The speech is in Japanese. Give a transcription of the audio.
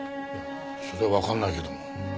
そりゃわかんないけど。